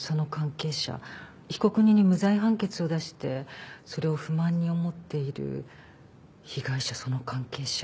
被告人に無罪判決を出してそれを不満に思っている被害者その関係者。